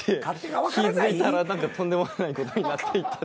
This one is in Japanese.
気付いたら何かとんでもないことになっていて。